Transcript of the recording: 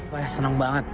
wah senang banget